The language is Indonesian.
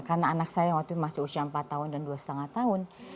karena anak saya waktu itu masih usia empat tahun dan dua lima tahun